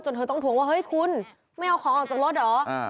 จนเธอต้องถุงคุณไม่เอาของออกจากรถหรือ